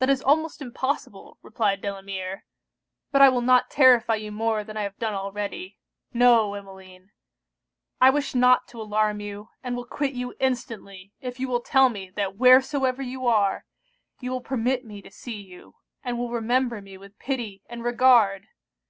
'That is almost impossible!' replied Delamere; 'but I will not terrify you more than I have done already. No, Emmeline, I wish not to alarm you, and will quit you instantly if you will tell me that wheresoever you are, you will permit me to see you; and will remember me with pity and regard!